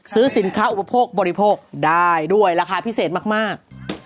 ซื้อสินค้าอุปโภคบริโภคได้ด้วยราคาพิเศษมาก